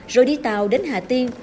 rồi đi tàu đến hà tiên